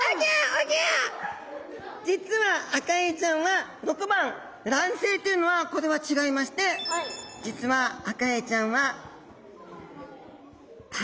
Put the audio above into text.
実はアカエイちゃんは６番卵生というのはこれは違いまして実はアカエイちゃんは胎生なんです。